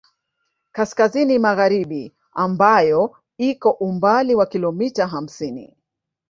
Kaskazini magharibi ambayo iko umbali wa kilomita hamsini